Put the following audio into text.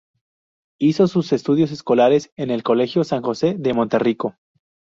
Hizo sus estudios escolares en el Colegio San Jose de Monterrico.